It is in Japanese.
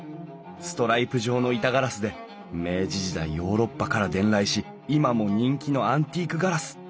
ストライプ状の板ガラスで明治時代ヨーロッパから伝来し今も人気のアンティークガラス。